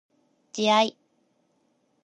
自愛